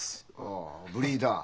ああブリーダー。